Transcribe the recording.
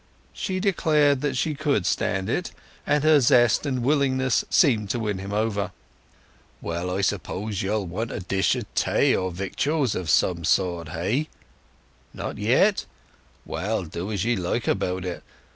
She declared that she could stand it, and her zest and willingness seemed to win him over. "Well, I suppose you'll want a dish o' tay, or victuals of some sort, hey? Not yet? Well, do as ye like about it.